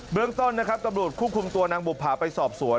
เรื่องต้นนะครับตำรวจควบคุมตัวนางบุภาไปสอบสวน